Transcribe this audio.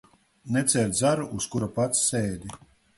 Necērt zaru, uz kura pats sēdi.